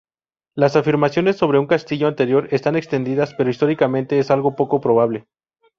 Las afirmaciones sobre un castillo anterior están extendidas, pero históricamente es algo poco probable.